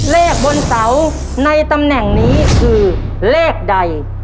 เลขบนเสาในตำแหน่งนี้คือเลขใด